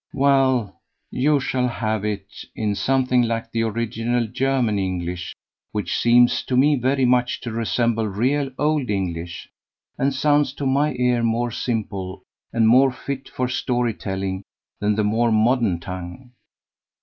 "Well, you shall have it in something like the original German English, which seems to me very much to resemble real old English, and sounds to my ear more simple and more fit for story telling than the more modern tongue.